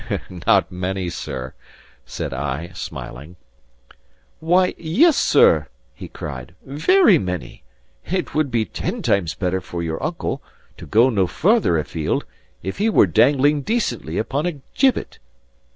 "Not many, sir," said I, smiling. "Why, yes, sir," he cried, "very many. And it would be ten times better for your uncle (to go no farther afield) if he were dangling decently upon a gibbet."